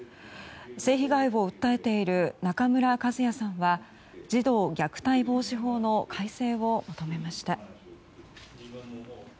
性被害を訴えている中村一也さんは児童虐待防止法の改正を求めました。